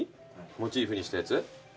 モチーフにしたやつ？